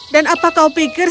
dan apakah kau pikir